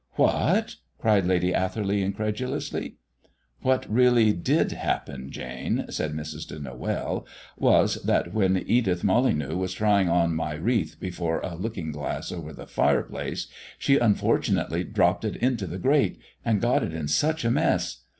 "What!" cried Lady Atherley incredulously. "What really did happen, Jane," said Mrs. de Noël, "was that when Edith Molyneux was trying on my wreath before a looking glass over the fireplace, she unfortunately dropped it into the grate, and got it in such a mess.